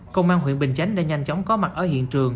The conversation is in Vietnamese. công an huyện bình chánh đã nhanh chóng có mặt ở hiện trường